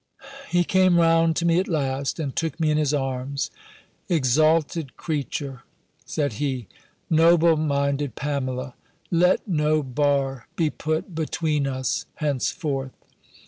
He came round to me at last, and took me in his arms; "Exalted creature!" said he: "noble minded Pamela! Let no bar be put between us henceforth!